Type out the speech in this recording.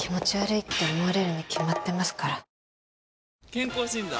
健康診断？